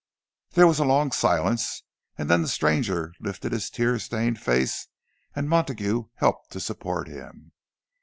There was a long silence, and then the stranger lifted his tear stained face, and Montague helped to support him.